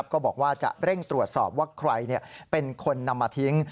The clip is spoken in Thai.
ก็บอกว่าจะเร่งตรวจสอบว่าใครเป็นคนนำมาทิ้ง